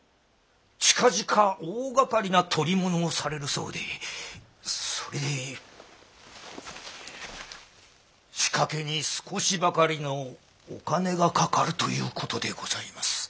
近々大がかりな捕り物をされるそうでそれで仕掛けに少しばかりのお金がかかるということでございます。